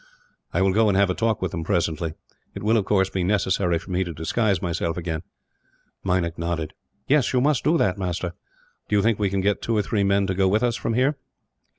"I will go and have a talk with them, presently. It will, of course, be necessary for me to disguise myself again." Meinik nodded. "Yes, you must do that, master." "Do you think that we can get two or three men to go with us, from here?"